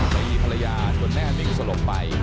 ในภรรยาจนแม่มิงสลบไป